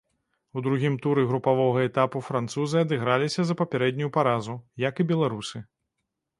У другім туры групавога этапу французы адыграліся за папярэднюю паразу, як і беларусы.